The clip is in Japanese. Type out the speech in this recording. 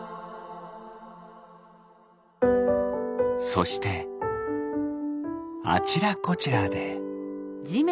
そしてあちらこちらで。